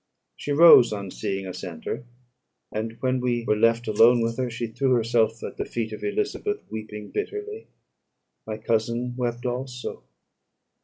She rose on seeing us enter; and when we were left alone with her, she threw herself at the feet of Elizabeth, weeping bitterly. My cousin wept also.